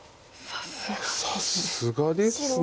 さすがですね。